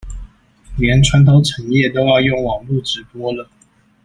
連傳統產業都要用網路直播了